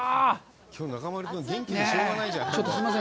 きょう中丸君、元気でしょうがないじゃん。